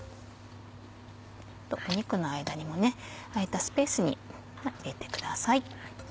肉の間にも空いたスペースに入れてください。